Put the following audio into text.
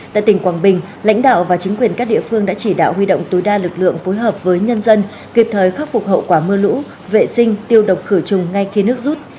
tại tỉnh quảng bình lãnh đạo và chính quyền các địa phương đã chỉ đạo huy động tối đa lực lượng phối hợp với nhân dân kịp thời khắc phục hậu quả mưa lũ vệ sinh tiêu độc khử trùng ngay khi nước rút